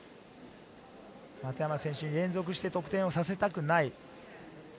松山選手に連続して得点をさせたくない。